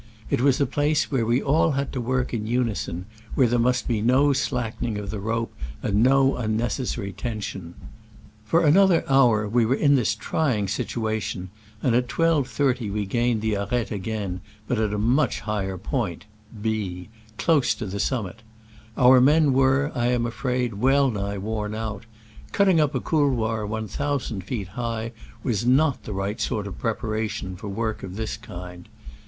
It was a place where all had to work in unison, wheie there must be no slackening of tiic rope and no unnecessary tenskw. For an other hour we were m this trying situa tion, and at 12.5D we gained the arete again, but at a much higher point ( B ), close to the summit. Our men were, I am afraid, wellnigh worn out: cutting op a couloir one thousand feet high was not the right sort of preparation for work of this kind.